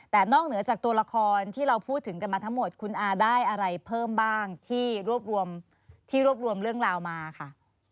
แต่นอกเหนือจากตัวละครที่เราพูดถึงกันมาทั้งหมดคุณอาได้อะไรเพิ่มบ้างที่รวบรวมที่รวบรวมเรื่องราวมาค่ะ